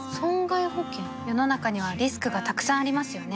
世の中にはリスクがたくさんありますよね